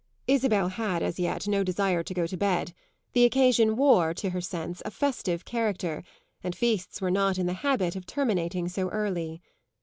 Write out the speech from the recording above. Isabel had as yet no desire to go to bed; the occasion wore, to her sense, a festive character, and feasts were not in the habit of terminating so early.